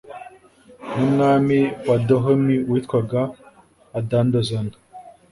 n'Umwami wa Dahomey witwaga Adandozan.